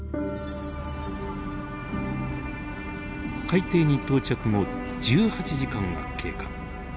海底に到着後１８時間が経過。